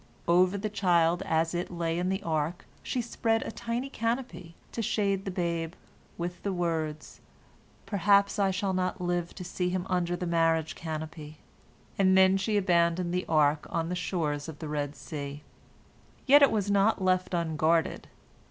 Over the child as it lay in the ark she spread a tiny canopy, to shade the babe, with the words, "Perhaps I shall not live to see him under the marriage canopy." And then she abandoned the ark on the shores of the Red Sea. Yet it was not left unguarded.